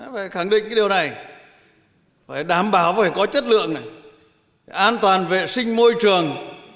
phải khẳng định điều này phải đảm bảo có chất lượng an toàn vệ sinh môi trường